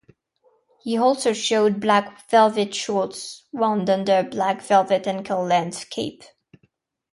He also showed black velvet shorts, worn under a black velvet ankle-length cape.